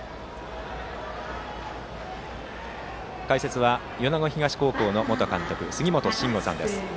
解説は米子東高校の元監督杉本真吾さんです。